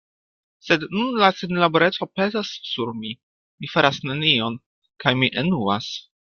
Sed nun la senlaboreco pezas sur mi: mi faras nenion, kaj mi enuas.